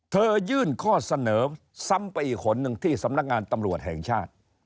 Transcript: ยื่นข้อเสนอซ้ำไปอีกคนนึงที่สำนักงานตำรวจแห่งชาติ